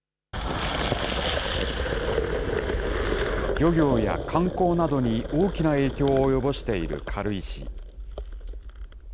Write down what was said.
漁業や観光などに大きな影響を及ぼしている軽石。